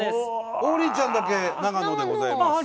王林ちゃんだけ長野でございます。